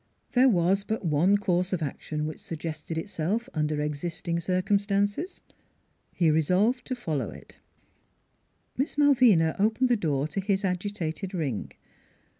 There was but one course of action which sug gested itself under existing circumstances. He resolved to follow it. Miss Malvina opened the door to his agitated ring.